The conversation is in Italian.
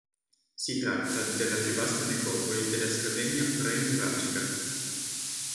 Si tratta della più vasta necropoli della Sardegna prenuragica.